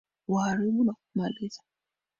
Kuharibu na kumaliza.